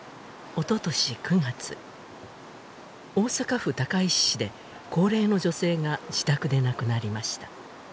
おととし９月大阪府高石市で高齢の女性が自宅で亡くなりました